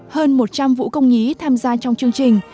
hơn một trăm linh vũ công nhí tham gia trong chương trình